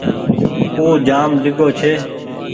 اُو جآم ڍيڳو ڇي۔